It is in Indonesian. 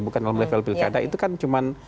bukan dalam level pilkada itu kan cuma